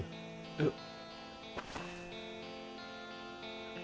えっ。